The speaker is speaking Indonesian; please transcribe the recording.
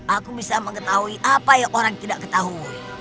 aku bisa mengetahui apa yang orang tidak ketahui